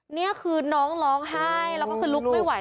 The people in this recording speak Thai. นี่คือน้องร้องไห้แล้วก็คือลุกไม่ไหว